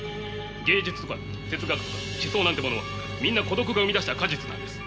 芸術とか哲学とか思想なんてものはみんな孤独が生み出した果実なんです。